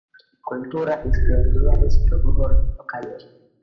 Kultura is the nearest rural locality.